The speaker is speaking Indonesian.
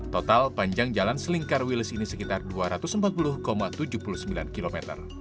total panjang jalan selingkar wilis ini sekitar dua ratus empat puluh tujuh puluh sembilan km